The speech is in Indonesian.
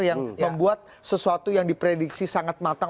manuver manuver yang membuat sesuatu yang diprediksi sangat matang